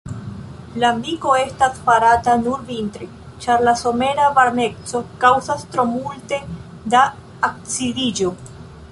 Lambiko estas farata nur vintre, ĉar la somera varmeco kaŭzas tro multe da acidiĝo.